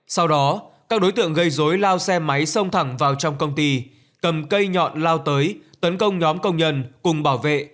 sau đó các đối tượng gây dối lao xe máy xông thẳng vào trong công ty cầm cây nhọn lao tới tấn công nhóm công nhân cùng bảo vệ